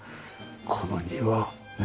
この庭をね